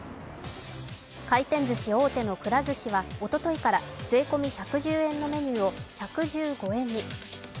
回転ずし大手のくら寿司は税込み１１０円のメニューを１１５円に。